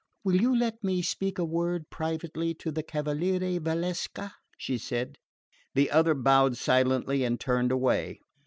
"Will you let me speak a word privately to the cavaliere Valsecca?" she said. The other bowed silently and turned away.